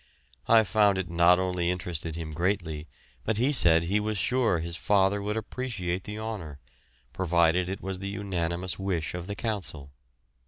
I found it not only interested him greatly, but he said he was sure his father would appreciate the honour, provided it was the unanimous wish of the Council.